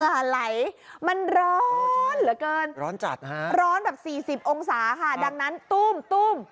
ไหลมันร้อนเหลือเกินร้อนจัดฮะร้อนแบบสี่สิบองศาค่ะดังนั้นตุ้มตุ้ม